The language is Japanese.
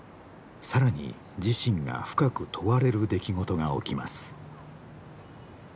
更に自身が深く問われる出来事が起きます。